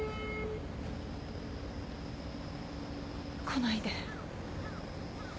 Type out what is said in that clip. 来ないで。